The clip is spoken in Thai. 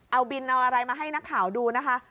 เอาบินเอาอะไรมาให้นักข่าวดูนะคะ